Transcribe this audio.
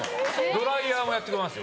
ドライヤーもやってくれます。